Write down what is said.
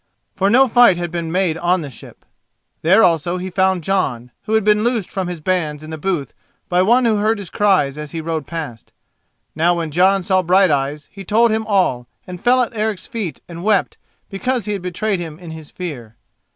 For no fight had been made on the ship. There also he found Jon, who had been loosed from his bands in the booth by one who heard his cries as he rode past. Now when Jon saw Brighteyes, he told him all, and fell at Eric's feet and wept because he had betrayed him in his fear.